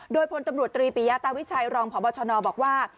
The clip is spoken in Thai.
โดยพลตำรวจตรีปิยาตาวิชัยรองพบชนบอกว่า